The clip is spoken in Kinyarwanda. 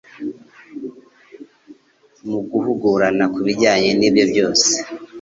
mu guhugurana ku bijyanye n'ibyo byose,